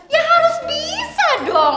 ya harus bisa dong